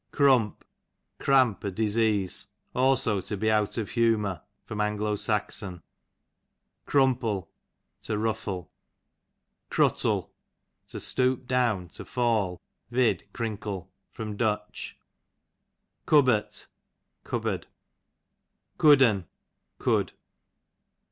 Crump, cramp a disease; also to be out of humour. A. S. Crumple, to ruffle. Cruttle, to stoop doim, to fall, vid. crinkle. Du. Gubbort, cupboard. Cud'n, could.